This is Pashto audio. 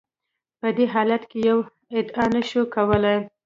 په دې حالت کې یوه ادعا نشو کولای.